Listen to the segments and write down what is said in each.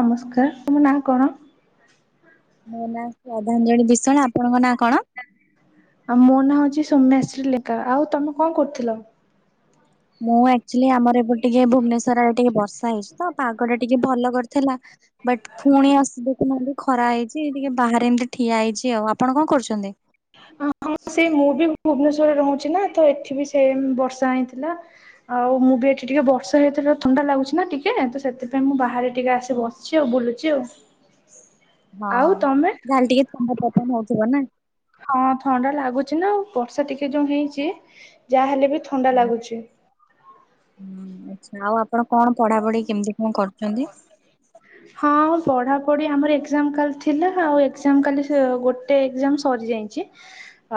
ନମସ୍କାର, ତମ ନା କଣ? ମୋ ନାଁ ଶ୍ରଦ୍ଧାଞ୍ଜଳି ବିଶାଳ। ଆପଣଙ୍କ ନା କଣ? ମୋ ନାଁ ହଉଛି ସୌମ୍ୟାଶ୍ରୀ ଲେଙ୍କା। ଆଉ ତମେ କଣ କରୁଥିଲ? ମୁଁ ଆକ୍ଚୁଆଲି ଆମର ଏ ଟିକେ ଭୁବନେଶ୍ୱର ଆରେ ଟିକେ ବର୍ଷା ହେଇଛି ତ ପାଗ ଟିକେ ଭଲ କରିଥିଲା ବଟ୍ ପୁଣି ଆସ ଦେଖନାଲି ଖରା ହେଇଛି ଟିକେ ବାହାରେ ଏମିତି ଠିଆ ହେଇଛି ଆଉ। ଆପଣ କଣ କରୁଛନ୍ତି? ହଁ, ସେ ମୁଁ ବି ଭୁବନେଶ୍ଵରରେ ରହୁଛି ନା ତ ଏଠି ବି ସେମ ବର୍ଷା ହେଇଥିଲା। ଆଉ ମୁଁ ବି ଏଠି ଟିକେ ବର୍ଷ ହେଇଥ ଥଣ୍ଡା ଲାଗୁଛି ନା ଟିକେ ତ ସେଥିପାଇଁ ମୁଁ ବାହାରେ ଟିକେ ଆସି ବସିଛି ଆଉ ବୁଲୁଛି ଆଉ। ହଁ ଆଉ ତମେ? ଯାହାଲେ ଟିକେ ଥଣ୍ଡା ପତନ ହଉଥିବ ନା। ହଁ, ଥଣ୍ଡା ଲାଗୁଛି ନା ଆଉ ବର୍ଷା ଟିକେ ଯୋଉ ହେଇଛି। ଯାହାହଲେ ବି ଥଣ୍ଡା ହୁଁ ଲାଗୁଛି। ଆଉ ଆପଣ କଣ ପଢାପଢି କେମିତି କଣ କରୁ? ହ [unintelligible] ହଁ, ପଢାପଢି ଆମର ଏଗଜାମ କାଲି ଥିଲା ଆଉ ଏଗଜାମ କାଲି ଗୋ ଗଟେ ଏକ୍ଜାମ ସରିଯାଇଛି।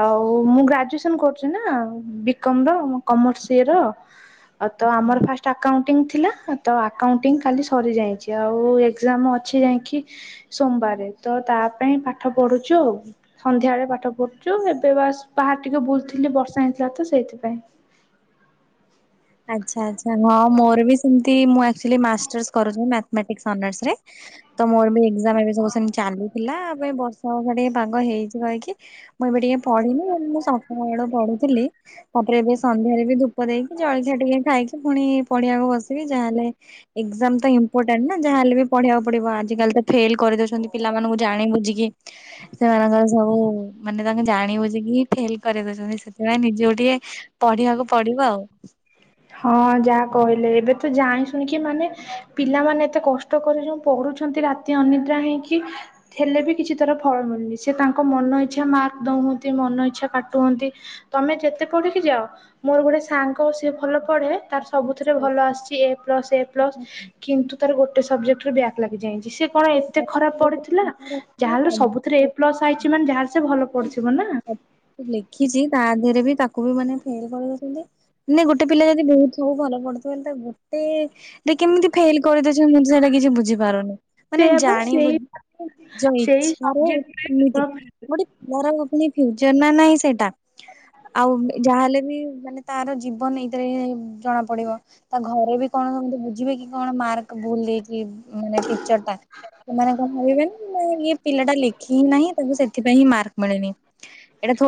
ଆଉ ମୁଁ ଗ୍ରାଜୁଏସନ କରୁଛି ନା ବିକମ ର କମର୍ସ ଇ ର। ତ ଆମର ଫାଷ୍ଟ ଆକାଉଣ୍ଟ ଥିଲା। ତ ଆକାଉଣ୍ଟ କାଲି ସରିଯାଇଛି। ଆଉ ଏକ୍ଜାମ ଅଛି ଯାଇକି ସୋମବାରେ ତ ତା ପାଇଁ ପାଠ ପଢୁଛୁ ଆଉ। ସନ୍ଧ୍ୟାବେଳେ ପାଠ ପଢ଼ୁଛୁ ଏବେ ବାସ ବାହାର ଟିକେ ବୁଲଥିଲି ବର୍ଷା ହେଇଥିଲା ତ ସେଇଥିପାଇଁ। ଆଚ୍ଛା ଆଚ୍ଛା, [unintelligible] ହଁ ମୋର ବି ସେମତି ମୁଁଚୁ ମାର୍ସ କରୁଛି ମଥମଟିକସ ଅନର୍ସରେ ତ ମୋର ବି ଏଜାମ ଏବେ ସବୁ ସାଙ୍ଗେ ଚାଲିୁଥିଲା ଆ ପାଇଁ ବର୍ଷା ବର୍ଷା ଟିକେ ପାଗ ହେଇଛି କହିକି। ମୁଁ ଏବେ ଟିକେ ପଢିନି ମୁଁ ସକା ବଳୁ ପଢୁଥିଲି ତାପରେ ଏବେ ସନ୍ଧ୍ୟାରେ ବି ଧୂପ ଦେଇକି ଜଳଖିଆ ଟିକେ ଖାଇକି ପୁଣି ପଡିଆକୁ ବସିବି। ଯାହାହେଲେ ଏକ୍ଜାମ ତ ଇମ୍ପୋର୍ଟାଣ୍ଟ ନା ଯାହାହ ହେଲେ ବି ପଢିବାକୁ ପଡିବ ଆଜିକାଲି ତ ଫେଲ କରିଦ ଦେଉଛନ୍ତି ପିଲାମାନଙ୍କୁ ଜାଣି ବୁଝିକି। ସେମାନଙ୍କର ସବୁ ମାନେ ତାଙ୍କୁେ ଜାଣିବୁଝ କି ହଁ ଫେଲ କରିଦଉଛନ୍ତି ସେଥିପାଇଁ ନିଜେ ଗ ଟିକେ ପଢିବାକୁ ପଡିବ ଆଉ ହଁ ଯାହା କହିଲେ ଏବେ ତ ଜାଣି ଶୁଣିକି ମାନେ ପିଲାମାନୋନ ଏତେ କଷ୍ଟ କଷ୍ଟ କରି ଯୋଉ ପଢୁଛନ୍ତି ରାତି ଅନିଦ୍ରା ହେଇକି ହେଲେ ବି କିଛି ତଥର ଫଳ ମିଳୁନି ସେ ତାଙ୍କ ମନ ଇଚ୍ଛା ମାର୍କ ଦଉ ହଅନ୍ତି ମନଇଚ୍ଛା କାଟୁ ହନ୍ତି ତମେ ଯେତେ ପଢିକି ଯାଅ ମୋର ଗୋଟେ ସାଙ୍ଗ ସିଏ ଭଲ ପଢ଼େ ତାର ସବୁଥିରେ ଭଲ ଆସିଛି ଏ ପ୍ଲସ୍ ଏ ପ୍ଲସ୍ କିନ୍ତୁ ତାର ଗୋଟେ ଗୋଟ ସବଜେକ୍ଟ ବ୍ୟାକ୍ ଲାଗିଯାଇଛି ସେ କଣ ଏତେ ଖରାପ ପଡିଥିଲା ଯାହେଲେ ସବୁଥିରେ ଏ ପ୍ଲସ ଆଇଛି ସେମାନେ ଯାହାର ସେ ଭଲ ପଡଥିବ ନା ଲେଖିଛି ତା ଦେହରେ ବି ତାକୁ ବି ମାନେ ଫେଲ କରିଉଛନ୍ତି ନ ଗୋଟେ ପିଲା ଯଦି ବହୁତ ସବୁ ଭଲ ପଡୁଥିବ ବଲେ ଗୋଟେ ଯେ କେମିତି ଫେଲ କରିଦେଇଉଛନ୍ତି ମୁଁ ସେଇଟା କିଛି ବୁଝିପାରୁନି ମାନେ ସେୟା ବା ସେଇ ଜାଣିବୁଝ ସେଇ ଇଚଛାରେ ସବଜେକ୍ଟରେ କେମିତି କେବଳ ଗୋଟେ ମର ଫଚର ନା ନହିଁ ସେଇଟା ଆଉ ଯାହାହେଲେ ବି ମାନେ ତାର ଜୀବନ ଏଇଥିରେ ଜଣା ପଡିବ ତା ଘରେ ବି କଣ ସେ ବୁଝିବେ କି କଣ ମାର୍କ ଭୁଲ ଦେଇକ ମାନେ ପିକଚର ଟା ସେମାନେ ହିବେ ନା ମ ଇଏ ପିଲା ଟା ଲେଖି ହିଁ ନାହିଁ ତାକୁ ସେଥିପାଇଁ ହିଁ ମାର୍କ ମିଳେନି।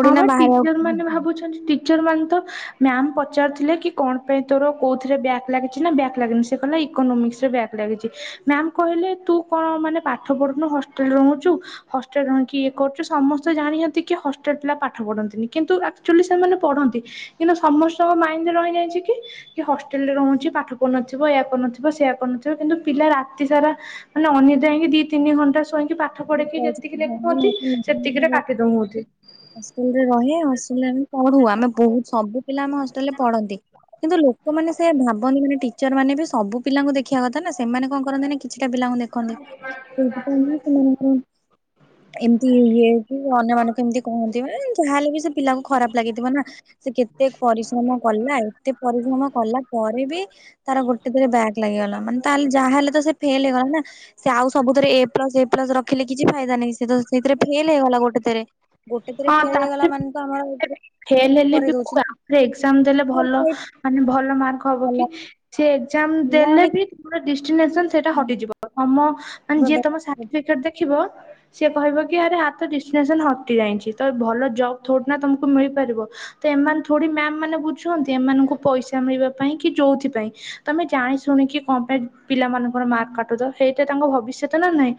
ହଁ, ଆମର ଟିଚର ମାନେ ଭାବୁଛନ୍ତି ମାନେ ତ ମ୍ୟାାମ ପଚାରୁଥିଲେ କି କଣ ପାଇଁ ତୋର କୋଉଥିରେ ବ୍ୟାଗ ଲାଗିଛି ନା ବ୍ୟାଗ ଲାଗନି? ସେ କଲା ଇକୋନୋମିକ୍ସ ରେ ବ୍ୟାଗ ଲାଗିଛି ମ୍ୟାାମ କହିଲେ ତୁ କଣ ମାନେ ପାଠ ପଢୁନୁ ହଷ୍ଟେଲ ରହୁଛୁ ହଷ୍ଟେଲ ରଣି ଇଏ କରୁଛ ସମସ୍ତେ ଜାଣିଛନ୍ତି କି ପାଠ ପଢନ୍ତିନି କିନ୍ତୁ ଆକ୍ଚୁଆଲି ସେମାନେ ପଢନ୍ତି କିନ୍ତୁ ସମସ୍ତଙ୍କ ମାଇଣ୍ଡରେ ରହିଯାଇଛି କି କି ହଷ୍ଟେଲ ରେ ରହୁଛି ପାଠ ପଢୁନଥିବ ଏୟ କରୁନଥିବ ସେୟଆ କରୁନଥିବ କିନ୍ତୁ ପିଲା ରାତି ସାରା ମାନେ ଅନ୍ୟ ଯାଇକି ଦି ତିନି ଘଣ୍ଟା ସ ପାଠ ପଢକି ଯେତିକି ଲେଖୁନ୍ତି ସେତିକି ରେ କାଟି ଦଉନ୍ତି ହଷ୍ଟେଲରେ ରହେ ହଷ୍ଟେଲରେ ଆମେ ପଢୁ ଆମେ ବହୁ ସବୁ ପିଲା ଆମ ହଷ୍ଟେଲରେ ପଢନ୍ତି କିନ୍ତୁ ଲୋକମାନେ ସେ ଭାବନ୍ତି ମାନେ ଟିଚର ମାନେ ବି ସବୁ ପିଲାଙ୍କୁ ଦେଖିବା କଥା ନା ସେମାନେ କଣ କରନ୍ତି ନା କିଛିଟା ପିଲାଙ୍କୁ ଦେଖ କ କେ ସେ ମ ଏମିତି ଇଏ ଅନ୍ୟମାନାନଙ୍କୁ ଏମିତି କହନ୍ତି ମ ଯାହାହେଲେ ବି ସେ ପିଲାକୁ ଖରାପ ଲାଗିଥିବ ନା ସେ କେତେ ପରିଶ୍ରମ କଲା ଏତେ ପରିଶ୍ରମ କଲା ପରେ ବି ତାର ଗୋଟେ ଦରେ ବ୍ୟାଗ୍ ଲାଗିଗଲା ମାନେ ତାହେଲେ ଯାହାହଲେ ତ ସେ ଫେଲ ହେଇଗଲା ନା ସେ ଆଉ ସବୁଥିରେ ଏ ପ୍ଲସ ଏ ପ୍ଲସ ରଖିଲେ କିଛି ଫାଇଦା ନାହିଁ ସେ ତ ସେଇଥିରେ ଫେଲ ହେଇଗଲା ଗୋଟେ ରେ ଗୋଟେ ଥରେ ହଁ ଫେର ତାପରେ ହେଇଗଲା ମାନେ ତ ଆମର ଏଥିରେ ଫେଲ ହେଲେ କରିଦଉଛି ନା। ବିରେ ଏକ୍ଜାମ ଦେଲେ ଭଲ ମାନେ ଭଲ ମାର୍କ ହବ କି? ସେ ଏକ୍ଜାମ ଦେଲେ ବି ପୁରା ଡେଷ୍ଟିନେସନ ସେଇଟା ହଟିଯିବ। ତମ ମାନେ ଯିଏ ତମ ସାର୍ଟିଫିକେଟ ଦେଖ ଖିବ ସେ କହିବ କି ଆରେ ଆର ତ ଡିଷ୍ଟିନେସନ ହଟି ଯାଇଛି ତ ଭଲ ଜବ୍ ଥୋଡି ନା ତମ କୁ ମିଳିପାରିବ। ତ ଏମାନେ ଥୋଡ଼ି ମ୍ୟାମ ମାନେ ବୁଝୁଛନ୍ତି ଏମାନଙ୍କୁ ପଇସା ମିଳିବା ପାଇଁ କି ଯୋଉଥି ପାଇଁ ତମେ ଜାଣି ଶୁଣିକି କଣ ପାଇଁ ପିଲାମାନଙ୍କ ର ମାର୍କ କାଟୁଛ ସେଇଟା ତାଙ୍କ ଭବିଷ୍ୟତ ନା ନାହିଁ।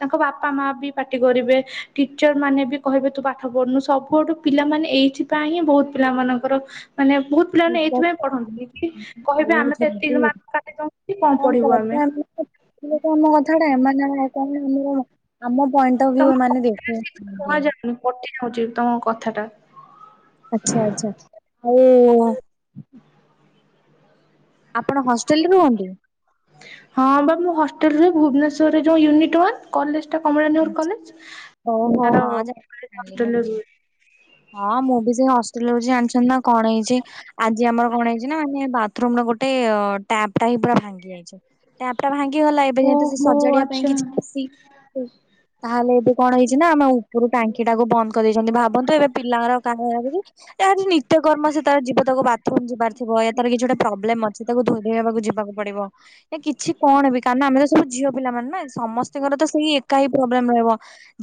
ତାଙ୍କ ବାପା ମା ବି ପାଟି କରିବେ ଟିଚର ମାନେ ବି କହିବେ ତୁ ପାଠ ପଢୁନୁ ସବୁଆଠୁ ପିଲାମାନେ। ଏଇଥିପାଇଁ ହିଁ ବହୁତ ପିଲା ମାନଙ୍କର ମାନେ ବହୁତ ପିଲାମାନେ ଏଇଥିପାଇଁ ପଢନ୍ତିନି କି କହିବେ ଆମେ ତ ଏତିକି ମାର୍କ କାଟି [unintelligible] କଣ ପଢିବୁ ଆମେ। [unintelligible] ପଏଣ୍ଟ ଅଫ ଭ୍ୟୁ ତମ କଥାଟା ମାନେ। ଶୁଣା [unintelligible] ଯାଉନି କଟି ଯାଉଛି ତମ କଥା ଟା। ଆଛା ଆଛା ହଉ। ଆପଣ ହଷ୍ଟେଲରେ ରୁହନ୍ତି। ହଁ ବା ମୁ ହଷ୍ଟେଲରେ ଭୁବନେଶ୍ୱରରେ ଯେଉଁ ୟୁନିଟ୍ ୱାନ୍। କଲେଜ ଟା କମଳା ନେହୁର ଆଚ୍ଛା। କଲେଜ ଓହୋ ତାର ହଁ [unintelligible] ଜାଣିଲି ମୁଁ ହଷ୍ଟେଲ ରେ ବୁଝିଲି। ରୁହେ। ହଁ ମୁଁ ବି ସେଇ ହଷ୍ଟେଲ ରହୁଛି ଜାଣିଛନ୍ତି ନା କଣ ହେଇଛି ଆଜି ଆମର କଣ ହେଇଛି ନା ଆମେ ବାଥରୁମ ଗୋଟେ ଟାପ ଟା ହିଁ ପୁରା ଭାଙ୍ଗି ଯାଇଛି। ଟାପ ଟା ଭାଙ୍ଗି ଗଲା ଏବେ ଯେମେୁ ସେ ଓହୋ ସଜାଡିବା ପାଇଁ ଆଚ୍ଛା। କିଛି ଆସି ତାହେଲେ ଏବେ କଣ ହେଇଛି ନା ଆମ ଉପରୁ ଟାଙ୍କି ଟାକୁ ବନ୍ଦ କରିଦେଇଛନ୍ତି ଭାବନ୍ତୁ ଏବେ ପିଲାଙ୍କର କ। [inaudible] ଏ ଆଜି ନିତ୍ୟକର୍ମ ସେ ତାର ଯିବ ତାକୁ ବାଥରୁମ ଯିବାର ଥିବ ୟା ତାର କିଛି ଗୋଟେ ପ୍ରୋବଲେମ୍ ଅଛି। ତାକୁ ଧୋଇ ଧେଇ ହେବାକୁ ଯିବାକୁ ପଡିବ। ଏ କିଛି କଣ ବି କାରଣ ଆମେ ତ ସବୁ ଝିଅ ପିଲାମାନେ ନା ସମସ୍ତଙ୍କର ତ ସେଇ ଏକା ହିଁ ପ୍ରୋବଲେମ୍ ରହିବ।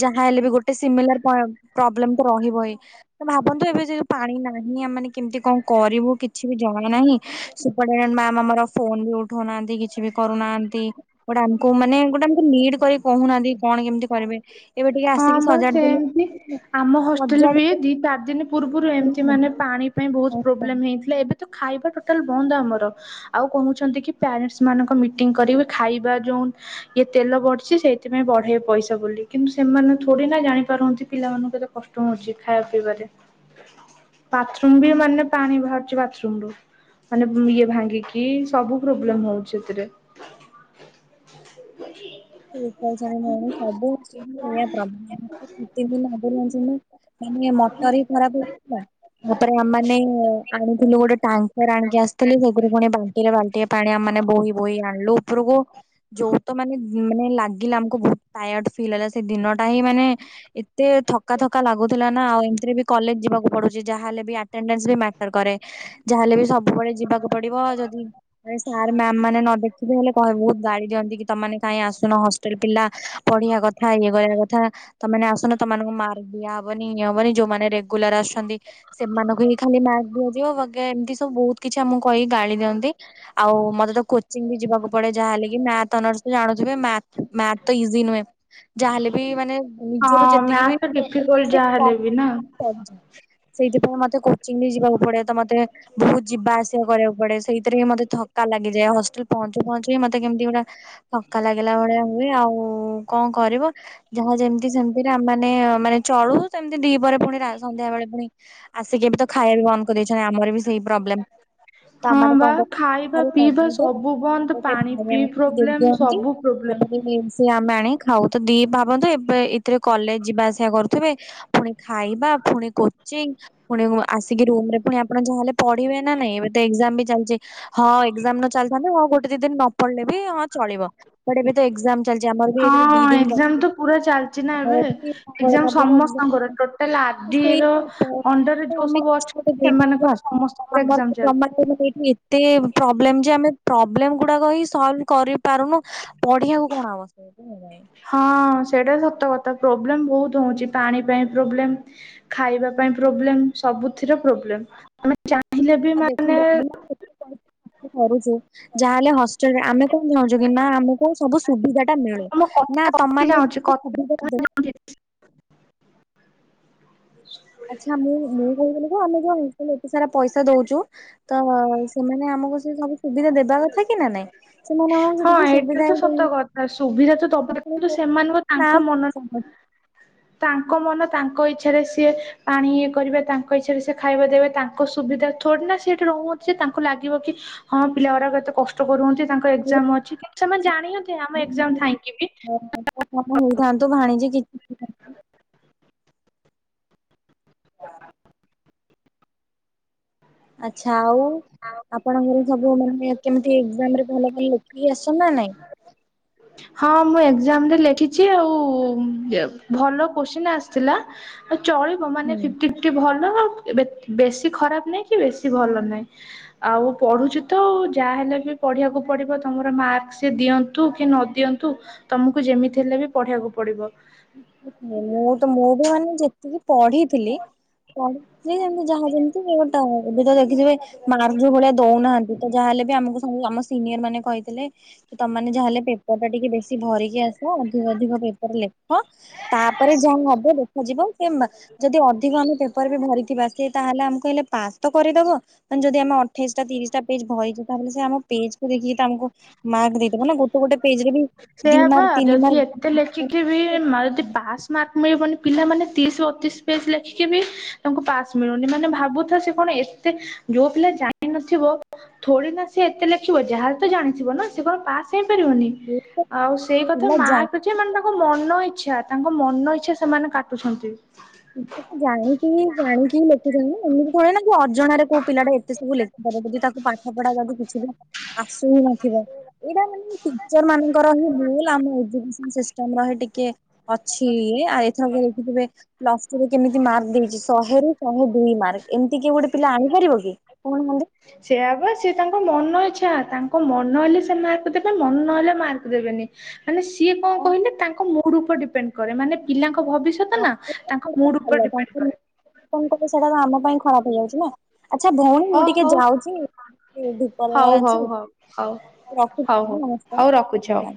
ଯାହାହଲେ ବି ଗୋଟେ ସିମିଲାର ପ୍ର ପ୍ରବ୍ଲେମ ତ ରହିବ ହି। ତ ଭାବନ୍ତୁ ଏବେ ସେ ଯୋଉ ପାଣି ନାହିଁ ଆମେ ମାନେ କେମିତି କଣ କରିବୁ କିଛି ବି ଜଣା ନାହିଁ। ମାମ୍ ଆମର ଫୋନ ବି ଉଠଉନାହାନ୍ତି କିଛି ବି କରୁନାହାନ୍ତି। ଗୋଟେ ଆମକୁ ମାନେ ଗୋଟେ ଆମକୁ ନିଡ଼ି କରିକି କହୁନାହାନ୍ତି କଣ କେମିତି କରିବେ? ଏବେ ଟିକେ ହଁ ଆସିକି ବା ସଜାଡି ଦେଲେ ସେମିତି ଆମ ହଷ୍ଟେଲ ସଜାଡି ବି ଦି ଚାରି ଦିନ ପୂର୍ବରୁ ଏମିତି ମାନେ ଦେଲେ। ପାଣି ପାଇଁ ବହୁତ ପ୍ରୋବ୍ଲେମ ହେଇଥିଲା ଏବେ ତ ଖାଇବା ଟୋଟାଲ ବନ୍ଦ ଆମର। ଆଉ କହୁଛନ୍ତି କି ପ୍ୟାରେଣ୍ଟସ୍ ମାନଙ୍କ ମିଟିଂ କରିବେ ଖାଇବା ଯୋଉ ଇଏ ତେଲ ବଢିଛି ସେଇଥିପାଇଁ ବଢେଇବେ ପଇସା ବୋଲି କିନ୍ତୁ ସେମାନେ ଥୋଡି ନା ଜାଣିପାରୁନ୍ତି ପିଲାମାନଙ୍କୁ କେତେ କଷ୍ଟ ହଉଛି ଖାଇବା ପିଇବାରେ। ବାଥରୁମ ବି ମାନେ ପାଣି ବାହାରୁଛି ବାଥରୁମ ରୁ। ମାନେ ଇଏ ଭାଙ୍ଗିକି ସବୁ ପ୍ରୋବ୍ଲେମ ହଉଛି ସେଥିରେ। [unintelligible] ସେ ପ୍ରବ୍ଲେମ [unintelligible] ନା ମାନେ ମଟର ବି ଖରାପ ହେଇଥିଲା। ତାପରେ ଆମମାନେ ଆଣିଥିଲୁ ଗୋଟେ ଟାଙ୍କର ଆଣିକି ଆସିଥିଲେ ସେଥିରୁ ପୁଣି ପା ବାଲ୍ଟି ରେ ବାଲ୍ଟିଏ ପାଣି ଆମ ମାନେ ବୋହି ବୋହି ଆଣିଲୁ ଉପରକୁ ଯୋଉ ତ ମାନେ ମାନେ ଲାଗିଲା ଆମକୁ ବହୁତ ଟାୟାର୍ଡ ଫିଲ୍ ହେଲା ସେ ଦିନଟା ହିଁ ମାନେ। ଏତେ ଥକା ଥକା ଲାଗୁଥିଲା ନା ଆଉ ଏମିତିରେ ବି କଲେଜ ଯିବାକୁ ପଡୁଛି ଯାହାଲେ ବି ଆଟେଣ୍ଡନେସ ବି ମା ଟର କରେ ଯାହାେଲେ ବି ସବୁବେଳେ ଯିବାକୁ ପଡିବ ଯଦି ସାର୍ ମ୍ୟାମ ମାନେ ନ ଦେଖିଲେ ହେଲେ କହିବେ ବହୁତ ଗାଳି ଦିଅନ୍ତି କି ତମେମାନେ ଆସୁନ ହଷ୍ଟେଲ ପିଲା ପଢିବା କଥା ଇଏ କରିବା କଥା। ତମେ ଆସନ ତମମାନଙ୍କୁ ମାର୍କ ଦିଆହବନି ଇଏ ହବନି ଯୋଉମାନେ ରେଗୁଲାର ଆସୁଛନ୍ତି। ସେମାନଙ୍କୁ ହିଁ ଖାଲି ମ୍ୟାକ୍ ଦିଆଯିବ ବଗେ ଏମିତି ସବୁ ବହୁତ କିଛି ଆମକୁ କହିକି ଗାଳି ଦିଅନ୍ତି। ଆଉ ମତେ ତ କୋଚିଂ ବି ଯିବାକୁ ପଡେ ଯାହାହଲେ କି ମ୍ୟାଥ ଅନର୍ସ। ଜାଣୁଥିବେ ମ୍ୟାଥ ମ୍ୟାଥ ତ ଇଜିି ନୁହେଁ। ଯାହାେଲେ ବି ମାନେ ନିଜରୁ ହଁ ଯେତିକି ବି ମ୍ୟାଥ ତ କରଛି ଡିଫିକଲ୍ଟ ସେ ଯାହାହେଲେ ବି ନା ସେଇଥିପାଇଁ ମତେ କୋଚିଂ ବି ଯିବାକୁ ପଡିବ ତ ମତେ ବହୁତ ଯିବା ଆସିବା କରିବାକୁ ପଡେ ସେଇଥିରେ ହ ମତେ ଥକା ଲାଗିଯାଏ ହଷ୍ଟେଲ ପହଞ୍ଚୁ ପହଞ୍ଚୁି ମତେ କେମିତି ଗୁଟା ଥକା ଲାଗିଲା ଭଳିଆ ହୁଏ ଆଉ କଣ କରିବ ଯାହା ଯେମିତି ସେମିତିରେ ମାନେ ମାନେ ଚଳୁ ସେମତି ଦି ପରେ ପୁଣି ସନ୍ଧ୍ୟା ବେଳେ ପୁଣି ଆସିକି ବି ତ ଖାଇବା ବି ବନ୍ଦ କରିଦେଇଛନ୍ତି ଆମର ବି ସେଇ ପ୍ରୋବ୍ଲେମ। ହଁ ତାମାନେ ବା କଣ ଖାଇବା କର ପିଇବା ତା ତୁ ସବୁ ବନ୍ଦ [inaudible] ପାଣି ପିଇ ଭାଇ ପ୍ରୋବ୍ଲେମ ସବୁ ପ୍ରୋବ୍ଲେମ। ତାପରେ ସିଏ ଆମେ ଆଣି ଖାଉ ତ ଦି ଭାବନ୍ତୁ ଏବେ ରେ କଲେଜ ଯିବା ଆସିବା କରୁଥିବେ, ପୁଣି ଖାଇବା, ପୁଣି କୋଚିଂ ପୁଣି ଆସିକି ରୁମ ରେ ପୁଣି ଆପଣ ଯାହାେଲେ ପଢିବେ ନା ନାଇ ଏବେ ତ ଏଜାମ ବି ଚାଲିଛି। ହଁ ଏଜାମ ନ ଚାଲିଥାନ୍ତ ହଁ ଗୋଟେ ଦତିନି ଦିନ ନ ପଡିଲେ ବି ହଁ ଚଳିବ। ବଟ ଚାଲିଛି ଆମର ବି ଏଇ ହଁ ଦି ଦିନ ଏକ୍ଜାମ ତ ପୁରା ଚାଲିଛି ନା ଏବେ। ଏକ୍ଜାମ ମଙ୍ଗଳବାର ସମସ୍ତଙ୍କର ଦିନ ଟୋଟାଲ [inaudible] ଆରଡି ସେଇ ର ଅଣ୍ଡରରେ ଯୋଉ ଆମେ ସବୁ କିଛି ମୋେ ଅଛନ୍ତି ଦେଇପାରିବା ସେମାନଙ୍କର ସମସ୍ତଙ୍କର ଆମର ଏକ୍ଜାମ ତ ଚାଲିଛି। ତମେ ଏଇଠି ପ୍ରୋବ୍ଲେମ ଯେ ଆମେ ପ୍ରୋବ୍ଲେମ ଗୁଡାକ ହ ସଲଭ କରିପାରୁନୁ ପଢିବାକୁ କଣ ଆବଶ୍ୟକତା ନାଇଁ ହଁ ସେଇଟା ସତ କଥା ପ୍ରୋବ୍ଲେମ ବହୁତ ହଉଛି ପାଣି ପାଇଁ ପ୍ରୋବ୍ଲେମ ଖାଇବା ପାଇଁ ପ୍ରୋବ୍ଲେମ ସବୁଥି ପ୍ରବ୍ଲେମ। ଆମେ ଚାହିଁଲେ ବି ଆଉ ଦେଖନ୍ତୁ ମାନେ ଆମେ ମାନେ ଏତେ କରୁଛୁ ଯାହାହେଲେ ହଷ୍ଟେଲରେ ଆମେ କଣ ଚାହୁଁଛୁ କି ନା ଆମ କଣ ସବୁ ସୁବିଧା ଟା ମିଳୁ ଆମ ନା କଥା କଟି ତମ ଯାଉଛି କଥା ସୁବିଧା ଦେଖ ଆଚ୍ଛା ମୁଁ ମୁଁ କହୁ ଥିଲି କଣ ଆମେ କଣ। ଏତେ ସାରା ପଇସା ଦଉଛୁ ତ ସେମାନେ ଆମକୁ ସେ ସବୁ ସୁବିଧା ଦେବା କଥା କି ନା ନାଇଁ। ସେମାନେ ହଁ ଟିକି ଏଇଟା ସୁବିଧା ତ ହେଇ ସତ କଥା ସୁବିଧା ତ ଦବା କିନ୍ତୁ ସେମାନଙ୍କ ତାଙ୍କ ମନ ପାରୁନି। ତାଙ୍କ ମନ ତାଙ୍କ ଇଚ୍ଛାରେ ସିଏ ପାଣି ଇଏ କରିବେ ତାଙ୍କ ଇଚ୍ଛାରେ ସେ ଖାଇବା ଦେବେ ତା। ତାଙ୍କ ସୁବିଧା ଛୋନା ସେଠି ରହୁନ୍ତି ଯେ ତାଙ୍କୁ ଲାଗିବ କି ହଁ ପିଲା ମାନେ କେତେ କଷ୍ଟ। କରୁଛନ୍ତି ତାଙ୍କ ଖର୍ଚ୍ଚ। ଏକ୍ସାମ ଅଛି କିନ୍ତୁ ସେମାନେ ଜାଣି ହନ୍ତେ ଆମ ଏଜାମ ଥାଇଁକି ବି। ତା ମ ହଇ ଥାନ ତ ବାହାଣି ଯେଛି। ଆଚଛା ଆଉ ଆପଣଙ୍କର ସବୁ ମାନେ କେମିତି। ସେ ଏଜାମ ରେ ଭଲ ଭଲ ଲେଖିକି ଆସ ନା ନାଇଁ। ହଁ ମୁଁ ଏକ୍ଜାମରେ ଲେଖିଛି ଆଉ ଭଲ କୋଶ୍ଚିନ୍ ଆସିଥିଲା। ଚଳିବ ମାନେ ହୁଁ। ଫିଫ୍ଟି। ଭଲ ବେଶୀ ଖରାପ ନାଇଁ କି ବେଶୀ ଭଲ ନାହିଁ। ଆଉ ପଢୁଛି ତ ଯାହାହଲେ ବି ପଢିବାକୁ ପଡିବ ତମର ମାର୍କ ସେ ଦିଅନ୍ତୁ କି ନ ଦିଅନ୍ତୁ ତମକୁ ଯେମିତି ହେଲେ ବି ପଢିବାକୁ ପଡିବ। ମୁଁ ତ ମୁଁ ବି ମାନି। ଟି ପଢିଥିଲି ପଢିଥିଲି ଯେମତି ଯାହା ଯେମିତି ଗୋଟେ ଏବେ ତ ଦେଖିଥିବେ। ମାର୍କ ଭଳିଆ ଦଉନାହାନ୍ତି ତ ଯାହା ହେଲେ ବି ଆମକୁୁ। ସିନିୟର ମାନେ କହିଥିଲେ ତମେମାନେ ଯାହାଲେ ପେ ପେପର ଟା ଟିକେ ବେଶୀ ଭରିକି ଆସ ଅଧିକ ଅଧିକ ପେପର ଲେଖ। ତାପରେ ଯାହା ହବ ଦେଖାଯିବ। ସେ ଯଦି ଅଧିକ ଆମେ ପେପର ବି ଭରିଥିବା ସିଏ ତାହେଲେ ଆମକୁ କହିଲେ ପାସ୍ ତ କରିଦବ। ମାନେ ଯଦି ଆମେ ଅଠେଇଶ ଟା ତିରିଶ ଟା ପେଜ ଭରିଛେ ତାହେଲେ ସେ ଆମ ପେଜ କକୁ ଦେଖିକି ତାମକୁ ମାର୍କ ଦେଇଦବ ନା ଗୋଟେ। ଗୋଟେ ପେଜରେ ବି ଦି ମାର୍କ ତିନି ମାର୍କ। ମି ପାସ୍ ମାର୍କ। ମିଳିବନି ପିଲାମାନୋନେ ତିରିଶ ବତିଶ ପେଜ ଲେଖିକି ବି ତାଙ୍କୁ ପାସ୍ ମିଳୁନି ମାନେ ଭାବୁଥା ସେ କଣ ଏତେ। ଯୋଉ ପିଲା ଜାଣିିନଥିବ। ଥୋଡି ନା ସେ ଏତେ ଲେଖିବ ଯାହା ତ ଜାଣିଥିବ ନା ସେ କଣ ପାସ୍ ହେଇପାରିବନି। ସିଏ ତ ଆଉ ସେଇ କଥା ପିଲା ମା। ଜା ସେ ମାନେ ତାଙ୍କ ମନ ଇଚ୍ଛା ତାଙ୍କ ମନ ଇଚ୍ଛା ସେମାନେ କାଟୁଛନ୍ତି। [inaudible] ଜାଣିଶୁଣି ଜାନିକି ଲେଖୁଛନ୍ତି ଏମିତି ଥୋଡି ନା ଯେ ଅଜଣାରେ କୋଉ ପିଲାଟା ଏତେ ସବୁ ଲେଖିପାରିବ ଯଦି ତାକୁ ପା ପାଠ ପଡା ଯଦି କିଛି ବି ଆସୁ ହିଁ ନଥିବ। ଏଇଟା ମାନେ ଟିଚର ମାନଙ୍କର ହିଁ ଭୁଲ ଆମ ଏଜୁକେସନ ସିଷ୍ଟମ ର ହିଁ ଟିକେ। ଅଛି ଆଉ ଏଥରକ ଏଠି କେବେ। ପ୍ଲସ୍ ଟୁରେ କେମିତି ମାର୍କ ଦେଇଛି ଶେରୁ ଶହେ ଦୁଇ ମାର୍କ ଏମିତି କି ଗୋଟେ ପିଲା ଆଣିପାରିବ କି କଣ ମନ୍ତି। ସେୟାବା ସେ ତାଙ୍କ ମନ ଇଚ୍ଛା ତାଙ୍କ ମନ ହେଲେ ସେ ମାର୍କ ଦେବେ ମନ ନହେଲେ ମାର୍କ ଦେବେନି। ମାନେ ସିଏ କଣ କହିଲେ ତାଙ୍କ ମୁଡ ଉପରେ ଡିପେଣ୍ଡ କରେ ମାନେ ପିଲାଙ୍କ ଭବିଷ୍ୟ ଷ୍ୟତ ତାଙ୍କ ମୁଡ ଭଲ ଉପରେ ଡିପେଣ୍ଡ ତାଙ୍କୁ କରେ। କଣ କହଲେ ସେଟା ତ ଆମ ପାଇଁ ଖରାପ ହେଇଯାଉଛି ନା ଆଚ୍ଛା ଭଉଣୀ ଓ ମୁଁ ଟିକେ ହଉ ଯାଉଛି। ଧୂପ ହଉ ଦେବାର ଅଛି ହଉ ହଉ ହଉ ରଖୁ ହଉ ହଉ ହଉ ରଖୁଛି ହଉ। ନମସ୍କାର।